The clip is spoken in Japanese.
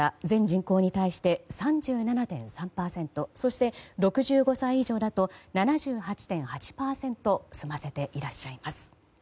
全人口に対して３７．３％そして６５歳以上だと７８．８％済ませていらっしゃいます。